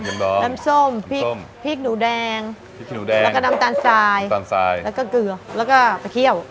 น้ำร้อนน้ำส้มพริกหนูแดงพริกหนูแดงแล้วก็น้ำตาลทรายน้ำตาลทรายแล้วก็เกลือแล้วก็ปลาเคี่ยว